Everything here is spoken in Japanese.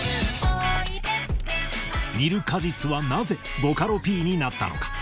煮ル果実はなぜボカロＰになったのか。